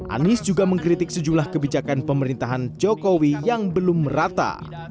anies juga mengkritik sejumlah kebijakan pemerintahan jokowi yang belum merata